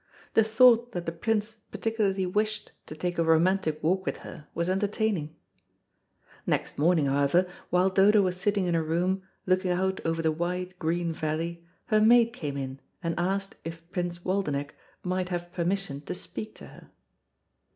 The thought that the Prince particularly wished to take a romantic walk with her was entertaining. Next morning, however, while Dodo was sitting in her room, looking out over the wide, green valley, her maid came in and asked if Prince Waldenech might have permission to speak to her.